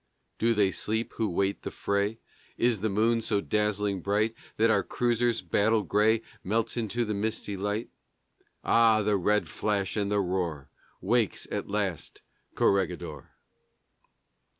Do they sleep who wait the fray? Is the moon so dazzling bright That our cruisers' battle gray Melts into the misty light?... Ah! the red flash and the roar! Wakes at last Corregidor!